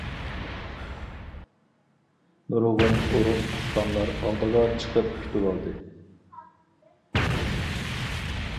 نۇرغۇن ئۇرۇق- تۇغقانلار ئالدىغا چىقىپ كۈتۈۋالدى.